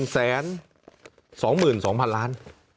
๑แสน๒หมื่น๒พันล้าน